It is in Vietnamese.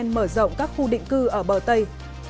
những nước lên án israel mở rộng các khu định cư ở bờ tây